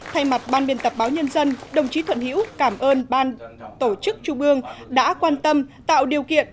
thay mặt ban biên tập báo nhân dân đồng chí thuận hiễu cảm ơn ban tổ chức trung ương đã quan tâm tạo điều kiện